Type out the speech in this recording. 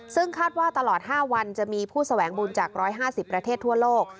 ซึ่งคาดว่าตลอด๕วันจะมีผู้แสวงบุญจาก๑๕๐ประเทศทั่วโลก